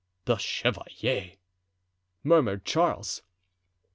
"The chevalier!" murmured Charles.